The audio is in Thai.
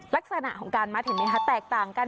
ลักษณะของการมัดเห็นไหมคะแตกต่างกัน